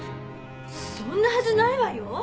そんなはずないわよ！